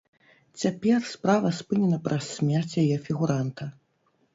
Цяпер справа спынена праз смерць яе фігуранта.